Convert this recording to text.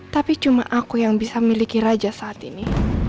tapi cuma aku yang bisa miliki raja saat ini